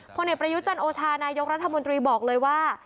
ผลเอกประยุจันโอชานายกรัฐมนตรีบอกเลยว่า